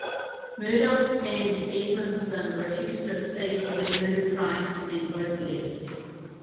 Murdoch and Edmiston refused to accede to the new price and both left.